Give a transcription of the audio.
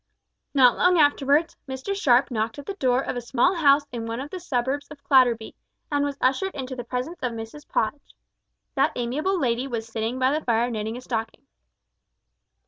Not long afterwards, Mr Sharp knocked at the door of a small house in one of the suburbs of Clatterby, and was ushered into the presence of Mrs Podge. That amiable lady was seated by the fire knitting a stocking.